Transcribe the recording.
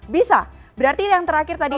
bisa berarti yang terakhir tadi